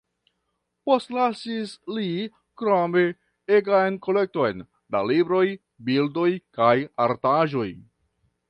Postlasis li krome egan kolekton da libroj, bildoj kaj artaĵoj.